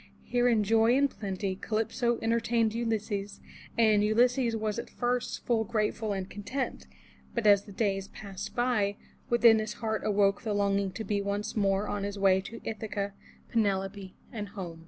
Here in joy and plenty Calypso entertained Ulysses, and Ulysses was at first full grateful and content, but as the days passed by, within his heart awoke the longing to be once more on his way to Ith'a ca, Penelope and home.